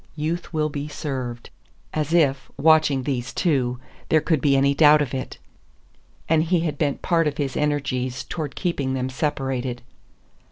Youth will be served. As if, watching these two, there could be any doubt of it! And he had bent part of his energies toward keeping them separated.